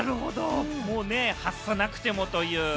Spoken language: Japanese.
もう発さなくてもというね。